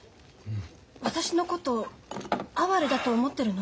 私のこと哀れだと思ってるの？